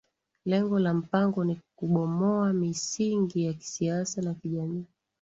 lengo la mpango ni kubomoa msingi ya kisiasi na kijamii